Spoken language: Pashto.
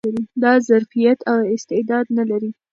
دا ظرفيت او استعداد نه لري